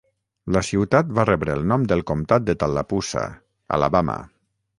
La ciutat va rebre el nom del comtat de Tallapoosa, Alabama.